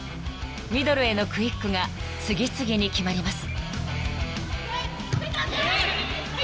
［ミドルへのクイックが次々に決まります］